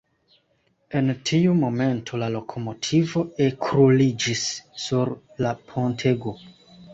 En tiu momento la lokomotivo ekruliĝis sur la pontego.